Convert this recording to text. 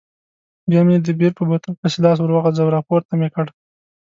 بیا مې د بیر په بوتل پسې لاس وروغځاوه، راپورته مې کړ.